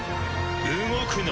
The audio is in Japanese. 動くな。